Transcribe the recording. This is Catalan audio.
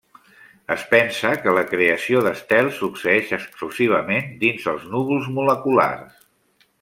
Es pensa que la creació d'estels succeeix exclusivament dins els núvols moleculars.